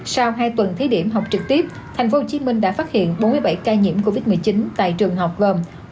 sau hai tuần thí điểm học trực tiếp tp hcm đã phát hiện bốn mươi bảy ca nhiễm covid một mươi chín tại trường học gồm